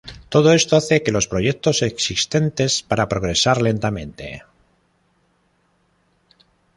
Todo esto hace que los proyectos existentes para progresar lentamente.